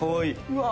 うわ。